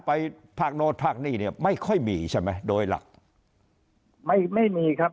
ภาคโน้นภาคนี่เนี่ยไม่ค่อยมีใช่ไหมโดยหลักไม่ไม่มีครับ